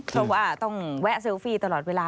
เพราะว่าต้องแวะเซลฟี่ตลอดเวลา